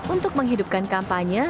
untuk menghidupkan kampanye